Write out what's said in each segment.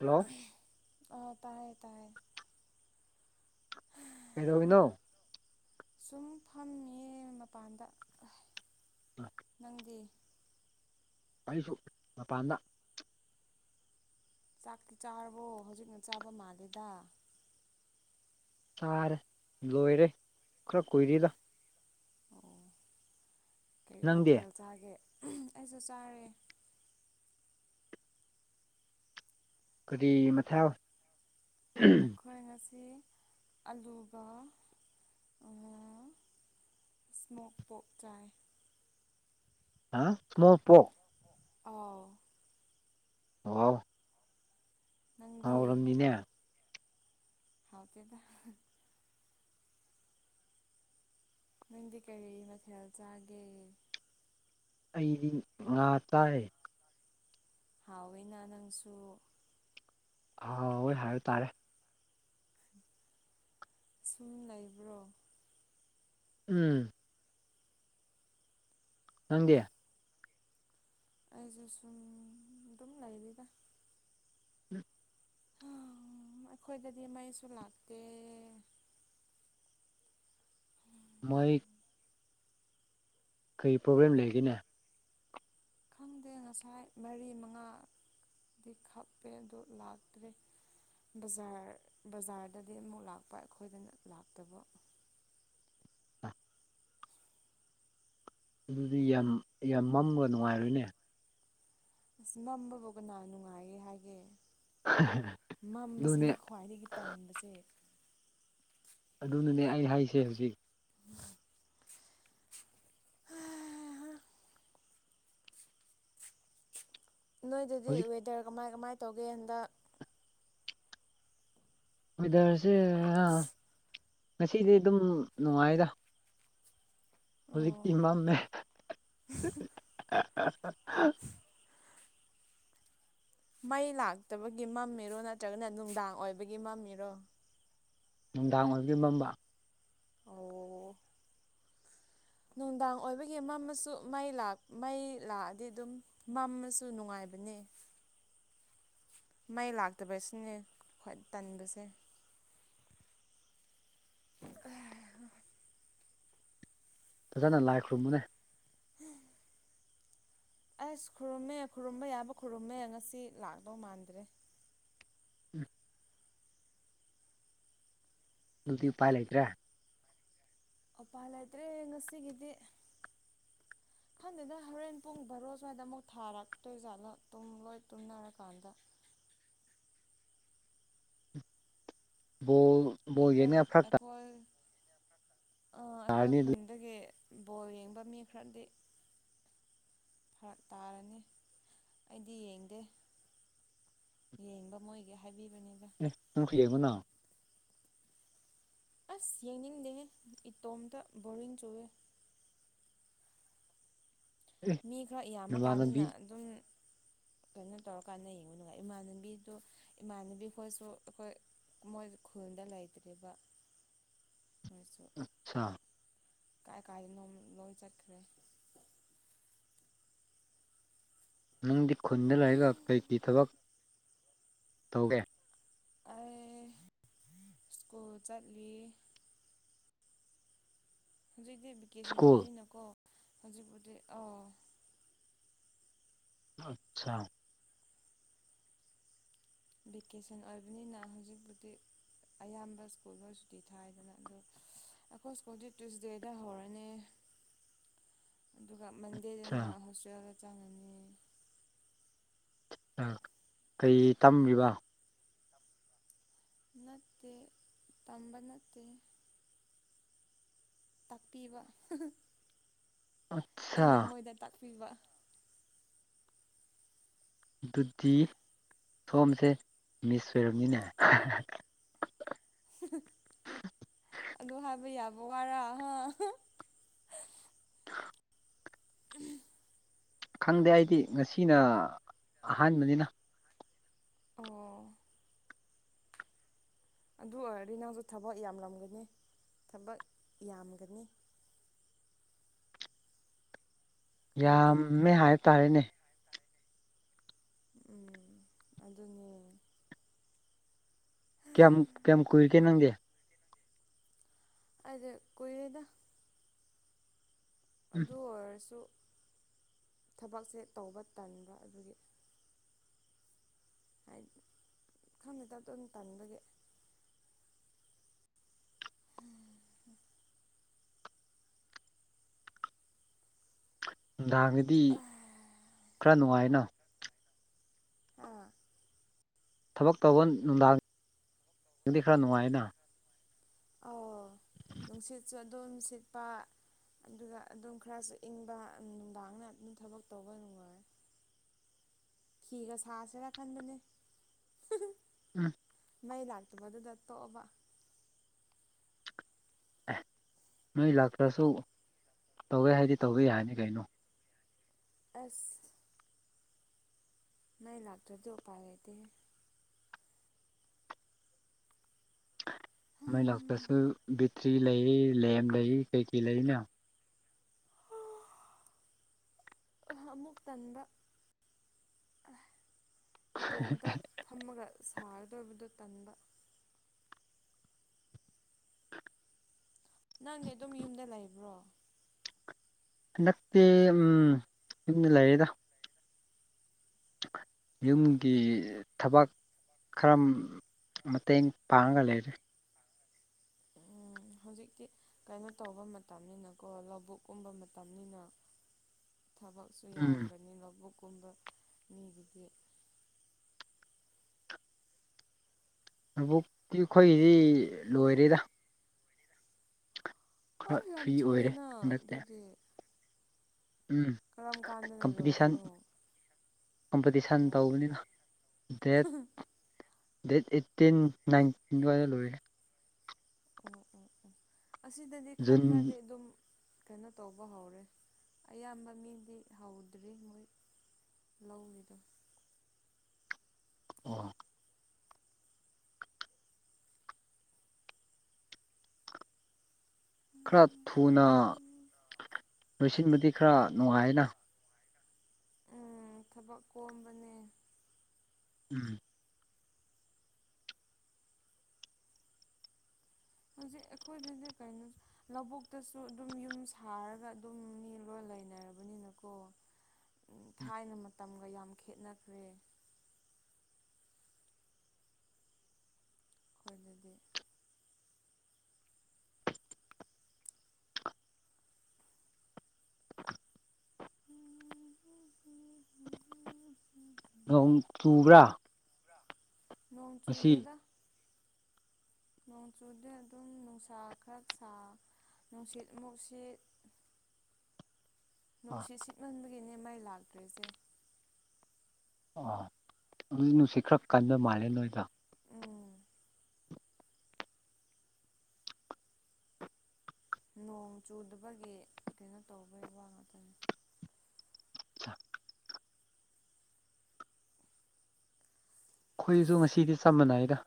Hello [unintelligible] ꯑꯣ ꯇꯥꯏꯌꯦ ꯇꯥꯏꯌꯦ ꯀꯩꯗꯧꯔꯝꯃꯤꯅꯣ ꯁꯨꯝ ꯐꯝꯃꯤ ꯃꯄꯥꯟꯗ ꯅꯪꯗꯤ ꯑꯩꯁꯨ ꯃꯄꯥꯟꯗ ꯆꯥꯛꯇꯤ ꯆꯥꯔꯕꯣ ꯍꯧꯖꯤꯛꯅ ꯆꯥꯕ ꯃꯥꯜꯂꯦꯗ ꯆꯥꯔꯦ ꯂꯣꯏꯔꯦ ꯈꯔ ꯀꯨꯏꯔꯦꯗ ꯑꯣ ꯀꯔꯤ ꯅꯪꯗꯤ ꯃꯊꯦꯜ ꯆꯥꯒꯦ [unintelligible] ꯑꯩꯁꯨ ꯆꯥꯔꯦ ꯀꯔꯤ ꯃꯊꯦꯜ ꯑꯩꯈꯣꯏ ꯉꯁꯤ ꯑꯂꯨꯒ [unintelligible] ꯏꯁꯃꯣꯛ ꯄꯣꯛ ꯆꯥꯏ ꯍꯥ ꯏꯁꯃꯣꯛ ꯄꯣꯛ ꯑꯥꯎ [unintelligible] ꯅꯪꯗꯤ ꯍꯥꯎꯔꯝꯅꯤꯅꯦ ꯍꯥꯎꯇꯦꯗ ꯅꯪꯗꯤ ꯀꯔꯤ ꯃꯊꯦꯜ ꯆꯥꯒꯦ ꯑꯩꯗꯤ ꯉꯥ ꯆꯥꯏ ꯍꯥꯎꯋꯤꯅ ꯅꯪꯁꯨ ꯍꯥꯎꯋꯦ ꯍꯥꯏꯇꯥꯔꯦ ꯁꯨꯝ ꯂꯩꯕ꯭ꯔꯣ ꯎꯝ ꯅꯪꯗꯤ ꯑꯩꯖꯨ ꯁꯨꯝ ꯗꯨꯝ ꯂꯩꯔꯤꯗ [unintelligible] ꯑꯈꯣꯏꯗꯗꯤ ꯃꯩꯁꯨ ꯂꯥꯛꯇꯦ ꯃꯩ ꯀꯩ ꯄ꯭ꯔꯣꯕ꯭ꯂꯦꯝ ꯂꯩꯒꯦꯅꯦ ꯈꯪꯗꯦ ꯉꯁꯥꯏ ꯃꯔꯤ ꯃꯉꯥꯗꯤ ꯈꯞꯄꯦ ꯑꯗꯣ ꯂꯥꯛꯇ꯭ꯔꯦ ꯕꯖꯥꯔ ꯕꯖꯥꯔꯗꯗꯤ ꯑꯃꯨꯛ ꯂꯥꯛꯄ ꯑꯩꯈꯣꯏꯗꯅ ꯂꯥꯛꯇꯕ ꯑꯗꯨꯗꯤ ꯌꯥꯝ ꯌꯥꯝ ꯃꯝꯕ ꯅꯨꯡꯉꯥꯏꯔꯣꯏꯅꯦ ꯑꯁ ꯃꯝꯕꯕꯨ ꯀꯅꯥ ꯅꯨꯡꯉꯥꯏꯌꯦ ꯍꯥꯏꯒꯦ ꯑꯗꯨꯅꯦ ꯃꯝꯕꯁꯤꯅꯤ ꯈ꯭ꯋꯥꯏꯗꯒꯤ ꯇꯟꯕꯁꯦ ꯑꯗꯨꯅꯅꯦ ꯑꯩ ꯍꯥꯏꯁꯦ ꯍꯧꯖꯤꯛ ꯍꯥ ꯍ ꯅꯣꯏꯗꯗꯤ ꯍꯧꯖꯤꯛ ꯋꯦꯗꯔ ꯀꯃꯥꯏ ꯀꯃꯥꯏ ꯇꯧꯒꯦ ꯍꯟꯗꯛ ꯋꯦꯗꯔꯁꯦ [unintelligible] ꯉꯁꯤꯗꯤ ꯑꯗꯨꯝ ꯅꯨꯡꯉꯥꯏꯗ ꯑꯣ ꯍꯧꯖꯤꯛꯇꯤ ꯃꯝꯃꯦ [unintelligible] ꯃꯩ ꯂꯥꯛꯇꯕꯒꯤ ꯃꯝꯃꯤꯔꯣ ꯅꯠꯇ꯭ꯔꯒꯅ ꯅꯨꯡꯗꯥꯡ ꯑꯣꯏꯕꯒꯤ ꯃꯝꯃꯤꯔꯣ ꯅꯨꯡꯗꯥꯡ ꯑꯣꯏꯕꯒꯤ ꯃꯝꯕ ꯑꯣ ꯅꯨꯡꯗꯥꯡ ꯑꯣꯏꯕꯒꯤ ꯃꯝꯃꯁꯨ ꯃꯩ ꯂꯥꯛ ꯃꯩ ꯂꯥꯛꯑꯗꯤ ꯑꯗꯨꯝ ꯃꯝꯃꯁꯨ ꯅꯨꯡꯉꯥꯏꯕꯅꯦ ꯃꯩ ꯂꯥꯛꯇꯕꯁꯤꯅꯦ ꯈ꯭ꯋꯥꯏ ꯇꯟꯕꯁꯦ꯫ ꯑ ꯐꯖꯅ ꯂꯥꯏ ꯈꯨꯔꯨꯝꯃꯨꯅꯦ꯫ ꯍꯨꯝ ꯑꯁ ꯈꯨꯔꯨꯝꯃꯦ ꯈꯨꯔꯨꯝꯕ ꯌꯥꯕ ꯈꯨꯔꯨꯝꯃꯦ ꯉꯁꯤ ꯂꯥꯛꯗꯧ ꯃꯥꯟꯗ꯭ꯔꯦ꯫ ꯎꯝ ꯗꯨꯗꯤ ꯎꯄꯥꯏ ꯂꯩꯇ꯭ꯔꯦ꯫ ꯑꯣꯄꯥꯏ ꯂꯩꯇ꯭ꯔꯦ ꯉꯁꯤꯒꯤꯗꯤ꯫ ꯈꯪꯗꯦꯗ ꯍꯣꯔꯦꯟ ꯄꯨꯡ ꯕꯥꯔꯣ ꯁ꯭ꯋꯥꯏꯗ ꯑꯃꯨꯛ ꯊꯥꯔꯛꯇꯣꯏ ꯖꯥꯠꯂ ꯇꯨꯝꯂꯣꯏ ꯇꯨꯝꯅꯔꯀꯥꯟꯗ꯫ ꯕꯣꯜ ꯕꯣꯜ ꯑꯩꯈꯣꯏ ꯌꯦꯡꯅꯤꯡꯉꯥꯏ ꯐꯔꯛ ꯑꯩꯈꯣꯏ ꯑ ꯑꯩꯈꯣꯏ ꯇꯥꯔꯅꯤ ꯑꯗꯨ ꯈꯨꯟ ꯗꯒꯤ ꯕꯣꯜ ꯌꯦꯡꯕ ꯃꯤ ꯈꯔꯗꯤ ꯐꯔꯛ ꯇꯥꯔꯅꯤ ꯑꯩꯗꯤ ꯌꯦꯡꯗꯦ꯫ ꯌꯦꯡꯕ ꯃꯣꯏꯒꯤ ꯍꯥꯏꯕꯤꯕꯅꯤꯗ ꯫ ꯅꯪꯁꯨ ꯌꯦꯡꯉꯨꯅ ꯑꯁ ꯌꯦꯡꯅꯤꯡꯗꯦꯍꯦ ꯏꯇꯣꯝꯇ ꯕꯣꯔꯤꯡ ꯆꯨꯏꯑꯦ꯫ ꯑꯦ ꯃꯤ ꯈꯔ ꯅꯃꯥꯟꯅꯕꯤ ꯌꯥꯝꯃꯀꯥꯟꯗꯅ ꯑꯗꯨꯝ ꯀꯩꯅꯣ ꯇꯧꯔꯀꯥꯟꯗ ꯌꯦꯡꯕ ꯅꯨꯡꯉꯥꯏ ꯏꯃꯥꯟꯅꯕꯤꯗꯨ ꯏꯃꯥꯟꯅꯕꯤ ꯈꯣꯏꯁꯨ ꯑꯩꯈꯣꯏ ꯃꯣꯏ ꯈꯨꯜꯗ ꯂꯩꯇ꯭ꯔꯦꯕ ꯃꯣꯏꯁꯨ꯫ ꯑꯠꯁꯥ ꯀꯥꯏ ꯀꯥꯏꯗꯅꯣꯝ ꯂꯣꯏ ꯆꯠꯈ꯭ꯔꯦ꯫ ꯅꯪꯗꯤ ꯈꯨꯟꯗ ꯂꯩꯔꯒ ꯀꯩ ꯀꯤ ꯊꯕꯛ ꯇꯧꯒꯦ꯫ ꯑꯩ ꯁ꯭ꯀꯨꯜ ꯆꯠꯂꯤ꯫ ꯍꯧꯖꯤꯛꯇꯤ ꯚꯤꯀꯦꯁꯟ ꯁ꯭ꯀꯨꯜ ꯑꯣꯏꯕꯅꯤꯅꯀꯣ ꯍꯧꯖꯤꯛꯄꯨꯗꯤ ꯑꯧ꯫ ꯑꯠꯁꯥ ꯚꯦꯀꯦꯁꯟ ꯑꯣꯏꯕꯅꯤꯅ ꯍꯧꯖꯤꯛꯄꯨꯗꯤ꯫ ꯑꯌꯥꯝꯕ ꯁ꯭ꯀꯨꯜ ꯂꯣꯏ ꯁꯨꯇꯤ ꯊꯥꯏꯗꯅ ꯑꯗꯣ ꯑꯩꯈꯣꯏ ꯁ꯭ꯀꯨꯜꯗꯤ ꯇꯨꯏꯁꯗꯦꯗ ꯍꯧꯔꯅꯤ꯫ ꯑꯗꯨꯒ ꯃꯟꯗꯦꯗꯅ ꯑꯠꯆꯥ ꯍꯣꯁꯇꯦꯜꯗ ꯆꯪꯉꯅꯤ꯫ ꯑꯥ ꯀꯩ ꯇꯝꯔꯤꯕ꯫ ꯅꯠꯇꯦ ꯇꯝꯕ ꯅꯠꯇꯦ꯫ ꯇꯥꯛꯄꯤꯕ ꯍꯥꯍꯥ ꯑꯣꯏ ꯑꯩꯅ ꯃꯣꯏꯗ ꯇꯥꯛꯄꯤꯕ꯫ ꯑꯗꯨꯗꯤ ꯁꯣꯝꯁꯦ ꯃꯤꯁ ꯑꯣꯏꯔꯝꯅꯤꯅꯦ ꯑꯗꯨ ꯍꯥꯏꯕ ꯌꯥꯕ ꯋꯥꯔꯥ ꯍꯥ [unintelligible] ꯎꯝ ꯈꯪꯗꯦ ꯑꯩꯗꯤ ꯉꯁꯤꯅ ꯑꯍꯥꯟꯕꯅꯤꯅ ꯑꯣ ꯑꯗꯨ ꯑꯣꯏꯔꯗꯤ ꯅꯪꯁꯨ ꯊꯕꯛ ꯌꯥꯝꯂꯝꯒꯅꯤ ꯊꯕꯛ ꯌꯥꯝꯒꯅꯤ ꯈꯔꯗꯤ ꯌꯥꯝꯃꯦ ꯍꯥꯏꯕꯇꯥꯥꯔꯦꯅꯦ ꯎꯝ ꯑꯗꯨꯅꯤ ꯀ꯭ꯌꯥꯝ ꯀ꯭ꯌꯥꯝ ꯀꯨꯏꯒꯦ ꯅꯪꯗꯤ ꯑꯩꯗꯤ ꯀꯨꯏꯔꯦꯗ ꯎꯝ ꯑꯗꯨ ꯑꯣꯏꯔꯁꯨ ꯊꯕꯛꯁꯦ ꯇꯧꯕ ꯇꯟꯕ ꯑꯗꯨꯒꯤ ꯍꯥꯏ ꯈꯪꯗꯦꯗ ꯑꯗꯨꯝ ꯇꯟꯕꯒꯤ [inaudible] ꯅꯨꯡꯗꯥꯡꯗꯗꯤ ꯑꯥ ꯈꯔ ꯅꯨꯡꯉꯥꯏꯅ ꯑꯥ ꯊꯕꯛ ꯇꯧꯕ ꯅꯨꯡꯗꯥꯡ ꯗꯗꯤ ꯈꯔ ꯅꯨꯡꯉꯥꯏꯅ ꯑꯣ ꯅꯨꯡꯁꯤꯠꯁꯨ ꯑꯗꯨꯝ ꯁꯤꯠꯄ ꯑꯗꯨꯒ ꯑꯗꯨꯝ ꯈꯔꯁꯨ ꯏꯪꯕ ꯅꯨꯡꯗꯥꯡꯅ ꯑꯗꯨꯝ ꯊꯕꯛ ꯇꯧꯕ ꯅꯨꯡꯉꯥꯏ ꯐꯤꯒ ꯁꯥꯥꯁꯦꯔ ꯈꯟꯗꯅꯦ ꯎꯝ ꯃꯩ ꯂꯥꯛꯇꯕ ꯑꯗꯨꯗ ꯇꯣꯛꯑꯕ ꯑꯦ ꯅꯣꯏ ꯂꯥꯛꯇ꯭ꯔꯁꯨ ꯇꯧꯒꯦ ꯍꯥꯏꯗꯤ ꯇꯧꯕ ꯌꯥꯅꯤ ꯀꯩꯅꯣ ꯑꯁ ꯃꯩ ꯂꯥꯛꯇ꯭ꯔꯗꯤ ꯎꯄꯥꯏ ꯂꯩꯇꯦꯍꯦ ꯃꯩ ꯂꯥꯛꯇꯁꯨ ꯕꯦꯠꯇ꯭ꯔꯤ ꯂꯩꯔꯤ ꯂꯦꯝ ꯂꯩꯔꯤ ꯀꯩꯀꯩ ꯂꯩꯅ ꯑꯍꯥ ꯑꯃꯨꯛ ꯇꯟꯕ ꯑ ꯏꯇꯣꯝꯇ ꯐꯝꯃꯒ ꯁꯥꯒꯗꯕꯗꯣ ꯇꯟꯕ ꯅꯪꯅꯦ ꯑꯗꯨꯝ ꯌꯨꯝꯗ ꯂꯩꯕ꯭ꯔꯣ ꯍꯟꯗꯛꯇꯤ ꯎꯝ ꯌꯨꯝꯗ ꯂꯩꯌꯦꯗ ꯌꯨꯝꯒꯤ ꯊꯕꯛ ꯈꯔ ꯃꯇꯦꯡ ꯄꯥꯡꯉꯒ ꯂꯩꯔꯦ ꯎꯝ ꯍꯧꯖꯤꯛꯇꯤ ꯀꯩꯅꯣ ꯇꯧꯕ ꯃꯇꯝꯅꯤꯅꯀꯣ ꯂꯧꯕꯨꯛꯀꯨꯝꯕ ꯃꯇꯝꯅꯤꯅ [inaudible] ꯊꯕꯛꯁꯨ ꯎꯝ ꯌꯥꯝꯒꯅꯤ ꯂꯧꯕꯨꯛꯀꯨꯝꯕ ꯃꯤꯗꯨꯗꯤ ꯂꯧꯕꯨꯛꯇꯤ ꯑꯩꯈꯣꯏꯒꯤꯗꯤ ꯂꯣꯏꯔꯦꯗ ꯑ ꯈꯔ ꯌꯥꯝ ꯐ꯭ꯔꯤ ꯑꯣꯏꯔꯦ ꯊꯨꯑꯦꯅ ꯍꯟꯗꯛꯇꯤ ꯑꯗꯨꯗꯤ ꯎꯝ ꯀꯔꯝ ꯀꯥꯟꯗꯅ ꯀꯝꯄꯤꯇꯤꯁꯟ ꯂꯣꯏꯕꯅꯣ ꯀꯝꯄꯤꯇꯤꯁꯟ ꯑꯣ ꯇꯧꯕꯅꯤꯅ ꯗꯦꯠ ꯗꯦꯠ ꯑꯦꯠꯇꯤꯟ ꯅꯥꯏꯟ ꯑꯗꯨꯋꯥꯏꯗ ꯂꯣꯏꯔꯦ ꯑꯣ ꯑꯣ ꯑꯣ ꯑꯁꯤꯗꯗꯤ ꯈꯔ ꯖꯨꯟ ꯈꯔꯗꯤ ꯑꯗꯨꯝ ꯀꯩꯅꯣ ꯇꯧꯕ ꯍꯧꯔꯦ ꯑꯌꯥꯝꯕ ꯃꯤꯗꯤ ꯍꯧꯗ꯭ꯔꯤ ꯃꯣꯏ ꯂꯧꯔꯤꯗꯣ ꯑꯣ ꯈꯔ ꯊꯨꯅ ꯎꯝ ꯂꯣꯏꯁꯤꯟꯕꯗꯤ ꯈꯔ ꯅꯨꯡꯉꯥꯏꯅ ꯎꯝ ꯊꯕꯛ ꯀꯣꯝꯕꯅꯦ ꯎꯝ ꯍꯧꯖꯤꯛ ꯑꯩ ꯈꯣꯏꯗꯗꯤ ꯀꯩꯅꯣꯁꯨ ꯂꯧꯕꯨꯛꯇꯁꯨ ꯑꯗꯨꯝ ꯌꯨꯝ ꯁꯥꯔꯒ ꯑꯗꯨꯝ ꯃꯤ ꯂꯣꯏ ꯂꯩꯅꯔꯕꯅꯤꯅꯀꯣ ꯎꯝ ꯊꯥꯏꯅ ꯃꯇꯝꯒ ꯌꯥꯝ ꯈꯦꯠꯅꯈ꯭ꯔꯦ ꯈꯣꯏꯗꯗꯤ ꯅꯣꯡ ꯆꯨꯕ꯭ꯔꯥ ꯅꯣꯡ ꯉꯁꯤ ꯆꯨꯗꯦꯗ ꯅꯣꯡꯆꯨꯗꯦ ꯑꯗꯨꯝ ꯅꯨꯡꯁꯥ ꯈꯔ ꯁꯥ ꯅꯨꯡꯁꯤꯠꯃꯨꯛ ꯁꯤꯠ ꯑꯥ ꯅꯨꯡꯁꯤꯠ ꯁꯤꯠꯃꯟꯕꯒꯤꯅꯦ ꯃꯩ ꯂꯥꯛꯇ꯭ꯔꯤꯁꯦ ꯑꯥ ꯑꯗꯨ ꯅꯨꯡꯁꯤꯠ ꯈꯔ ꯀꯟꯕ ꯃꯥꯜꯂꯦ ꯅꯣꯏꯗꯣ ꯎꯝ ꯅꯣꯡ ꯆꯨꯗꯕꯒꯤ ꯀꯩꯅꯣ ꯇꯧꯕꯩ ꯋꯥ ꯉꯥꯛꯇꯅꯤ [inaudible] ꯑꯩꯈꯣꯏꯁꯨ ꯉꯁꯤꯗꯤ ꯆꯝ ꯃꯥꯟꯅꯩꯗ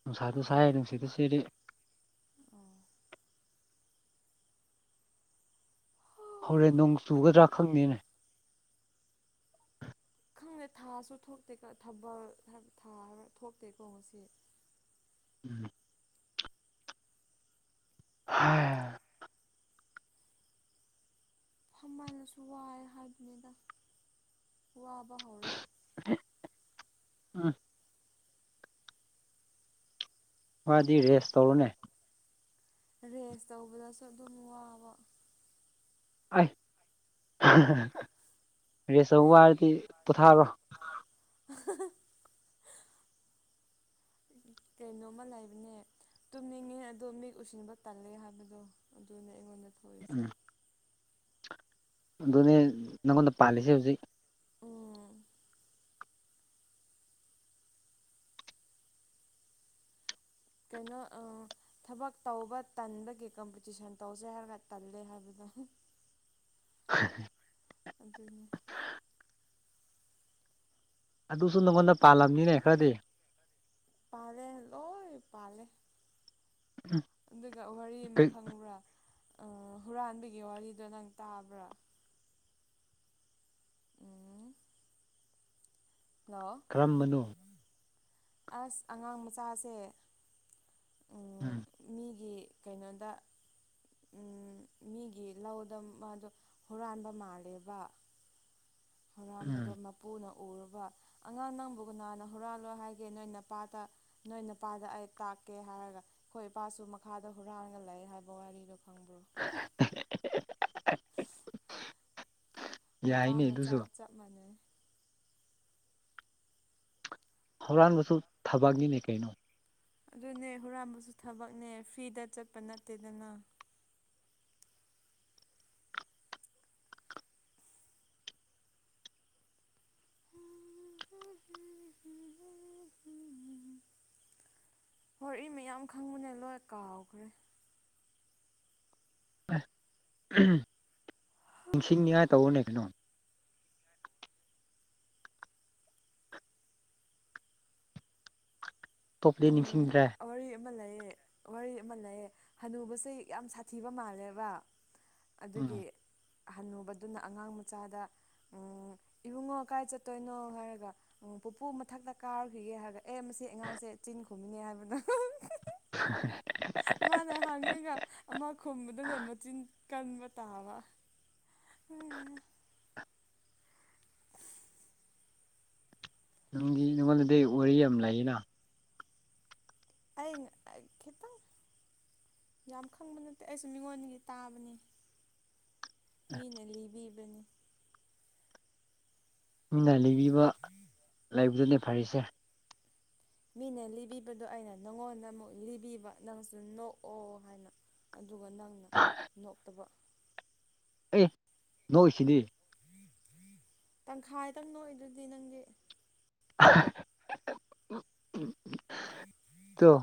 ꯅꯨꯡꯁꯥꯁꯨ ꯁꯥꯏ ꯅꯨꯡꯁꯤꯠꯁꯨ ꯁꯤꯠꯂꯤ ꯑꯣ ꯑꯣ ꯍꯧꯔꯦꯟ ꯅꯣꯡ ꯆꯨꯒꯗ꯭ꯔꯥ ꯈꯪꯗꯦꯅꯦ ꯈꯪꯗꯦ ꯊꯥꯁꯨ ꯊꯣꯛꯇꯦ ꯊꯕꯜ ꯍꯥꯏꯕꯔꯥ ꯊꯥ ꯍꯥꯏꯕ ꯊꯣꯛꯇꯦꯀꯣ ꯉꯁꯤ ꯎꯝ [unintelligible] ꯐꯃꯜꯂꯁꯨ ꯋꯥꯑꯦ ꯍꯥꯏꯕꯅꯤꯗ ꯋꯥꯕ ꯍꯧꯔꯦ [inaudible] ꯋꯥꯔꯗꯤ ꯔꯦꯁ ꯇꯧꯔꯣꯅꯦ ꯔꯦꯁ ꯇꯧꯕꯗꯁꯨ ꯑꯗꯨꯝ ꯋꯥꯕ ꯑꯩ ꯍꯥꯍꯥꯍꯤ ꯔꯦꯁ ꯇꯧꯕ ꯋꯥꯔꯗꯤ ꯄꯣꯊꯥꯔꯣ [inaudible] [inaudible] ꯀꯩꯅꯣꯝꯃ ꯂꯩꯕꯅꯦ ꯇꯨꯝꯅꯤꯡꯉꯦ ꯑꯗꯣ ꯃꯤꯠ ꯎꯁꯤꯟꯕ ꯇꯜꯂꯦ ꯍꯥꯏꯕꯗꯣ ꯑꯗꯨꯅꯦ ꯑꯩꯉꯣꯟꯗ ꯊꯧꯋꯤꯁꯦ ꯎꯝ ꯑꯗꯨꯅꯦ ꯅꯪꯉꯣꯟꯗ ꯄꯥꯜꯂꯤꯁꯦ ꯍꯧꯖꯤꯛ ꯎꯝ ꯀꯩꯅꯣ ꯑꯥ ꯊꯕꯛ ꯇꯧꯕ ꯇꯟꯕꯒꯤ ꯀꯝꯄꯤꯇꯤꯁꯟ ꯇꯧꯁꯦ ꯍꯥꯏꯔꯒ ꯇꯜꯂꯦ ꯍꯥꯏꯕꯗꯣ [inaudible] ꯑꯗꯨꯅꯤ ꯑꯗꯨꯁꯨ ꯅꯪꯉꯣꯟꯗ ꯄꯥꯜꯂꯝꯅꯤꯅꯦ ꯈꯔꯗꯤ ꯄꯥꯂꯦ ꯂꯣꯏ ꯄꯥꯂꯦ ꯎꯝ ꯑꯗꯨꯒ ꯋꯥꯔꯤ ꯑꯃ ꯈꯪꯕ꯭ꯔꯥ ꯑꯥ ꯍꯨꯔꯥꯟꯕꯒꯤ ꯋꯥꯔꯤꯗꯣ ꯅꯪ ꯇꯥꯕ꯭ꯔꯥ ꯎꯝ ꯍꯜꯂꯣ ꯀꯔꯝꯕꯅꯣ ꯑꯁ ꯑꯉꯥꯡ ꯃꯆꯥꯁꯦ ꯎꯝ ꯃꯤꯒꯤ ꯀꯩꯅꯣꯗ ꯎꯝ ꯃꯤꯒꯤ ꯂꯧꯗ ꯃꯥꯗꯣ ꯍꯨꯔꯥꯟꯕ ꯃꯥꯜꯂꯦꯕ ꯎꯝ ꯍꯨꯔꯥꯟꯕꯗꯣ ꯃꯄꯨꯅ ꯎꯔꯕ ꯑꯉꯥꯡ ꯅꯪꯕꯨ ꯀꯅꯥꯅ ꯍꯨꯔꯥꯜꯂꯣ ꯍꯥꯏꯒꯦ ꯅꯣꯏ ꯅꯄꯥꯇ ꯅꯣꯏ ꯅꯄꯥꯗ ꯑꯩ ꯇꯥꯛꯀꯦ ꯍꯥꯏꯔꯒ ꯑꯩꯈꯣꯏ ꯏꯄꯥꯁꯨ ꯃꯈꯥꯗ ꯍꯨꯔꯥꯟꯂꯒ ꯂꯩ ꯍꯥꯏꯕ ꯋꯥꯔꯤꯗꯣ ꯈꯪꯕ꯭ꯔꯣ [unintelligible] ꯃꯄꯥ ꯃꯆꯥ ꯑꯗꯨꯁꯨ ꯆꯞ ꯃꯥꯟꯅꯩ ꯍꯧꯔꯥꯟꯕꯁꯨ ꯊꯕꯛꯅꯤꯅꯦ ꯀꯩꯅꯣ ꯑꯗꯨꯅꯦ ꯍꯨꯔꯥꯟꯕꯁꯨ ꯊꯕꯛꯅꯦ ꯐ꯭ꯔꯤꯗ ꯆꯠꯄ ꯅꯠꯇꯦꯗꯅ ꯋꯔꯤ ꯃꯌꯥꯝ ꯈꯪꯕꯅꯦ ꯂꯣꯏ ꯀꯥꯎꯈ꯭ꯔꯦ ꯑꯍꯝ ꯅꯤꯡꯁꯤꯡꯅꯤꯉꯥꯏ ꯇꯧꯋꯣꯅꯦ ꯀꯩꯅꯣ ꯇꯣꯞꯄꯗꯤ ꯎꯝ ꯅꯤꯡꯁꯤꯡꯗ꯭ꯔꯦ ꯋꯥꯔꯤ ꯑꯃ ꯂꯩꯌꯦ ꯋꯥꯔꯤ ꯑꯃ ꯂꯩꯌꯦ ꯍꯅꯨꯕꯁꯦ ꯌꯥꯝ ꯁꯥꯊꯤꯕ ꯃꯥꯜꯂꯦꯕ ꯑꯗꯨꯒꯤ ꯎꯝ ꯍꯟꯅꯨꯕꯗꯨꯅ ꯑꯉꯥꯡ ꯃꯆꯥꯗ ꯎꯝ ꯏꯕꯨꯡꯉꯣ ꯀꯥꯏ ꯆꯠꯇꯣꯏꯅꯣ ꯍꯥꯏꯔꯒ ꯄꯨꯄꯨ ꯃꯊꯛꯇ ꯀꯥꯔꯨꯈꯤꯒꯦ ꯍꯥꯏꯔꯒ ꯑꯦ ꯃꯁꯤ ꯑꯉꯥꯡꯁꯦ ꯆꯤꯟ ꯈꯨꯝꯃꯤꯅꯦ ꯍꯥꯏꯕꯗꯣ [unintelligible] [unintelligible] ꯃꯥꯅ ꯍꯪꯉꯒ ꯑꯃ ꯈꯨꯝꯕꯗꯨꯅ ꯃꯆꯤꯟ ꯀꯟꯕ ꯇꯥꯕ [inaudible] ꯅꯪꯒꯤ ꯅꯉꯣꯟꯗꯗꯤ ꯋꯥꯔꯤ ꯌꯥꯝ ꯂꯩꯌꯦꯅ ꯑꯩ ꯑꯥ ꯈꯤꯇꯪ ꯌꯥꯝ ꯈꯪꯕ ꯅꯠꯇꯦ ꯑꯩꯁꯨ ꯃꯤꯉꯣꯟꯒꯤ ꯇꯥꯕꯅꯦ ꯃꯤꯅ ꯂꯤꯕꯤꯕꯅꯤ ꯃꯤꯅ ꯂꯤꯕꯤꯕ ꯂꯩꯕꯗꯨꯅꯦ ꯐꯔꯤꯁꯦ ꯃꯤꯅ ꯂꯤꯕꯤꯕꯗꯣ ꯑꯩꯅ ꯅꯪꯉꯣꯟꯗ ꯑꯃꯨꯛ ꯂꯤꯕꯤꯕ ꯅꯪꯁꯨ ꯅꯣꯛꯑꯣ ꯍꯥꯏꯅ ꯑꯗꯨꯒ ꯅꯪꯅ ꯅꯣꯛꯇꯕ ꯑꯦ ꯅꯣꯛꯏꯁꯤꯗꯤ ꯇꯪꯈꯥꯏꯗꯪ ꯅꯣꯛꯏꯗꯨꯗꯤ ꯅꯪꯗꯤ [unintelligible] ꯇꯨ